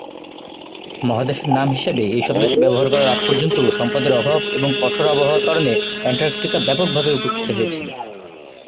মহাদেশের নাম হিসেবে এই শব্দটি ব্যবহার করার আগ পর্যন্ত সম্পদের অভাব এবং কঠোর আবহাওয়ার কারণে অ্যান্টার্কটিকা ব্যাপকভাবে উপেক্ষিত হয়েছিলো।